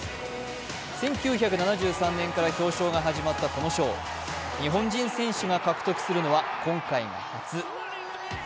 １９７３年から表彰が始まったこの賞、日本人選手が獲得するのは今回が初。